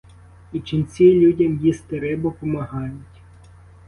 І ченці людям їсти рибу помагають!